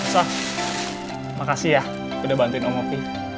so makasih ya udah bantuin om mopi